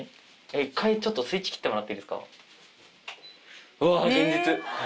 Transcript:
一回ちょっとスイッチ切ってもらっていいですか？